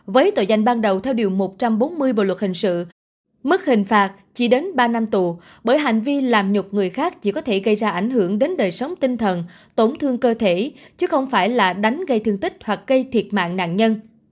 với tội danh ban đầu theo điều một trăm bốn mươi bộ luật hình sự mức hình phạt chỉ đến ba năm tù bởi hành vi làm nhục người khác chỉ có thể gây ra ảnh hưởng đến đời sống tinh thần tổn thương cơ thể chứ không phải là đánh gây thương tích hoặc gây thiệt mạng nạn nhân